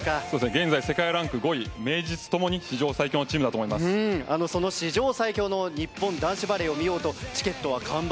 現在、世界ランク５位名実ともに史上最強の日本代表バレーを見ようとチケットは完売。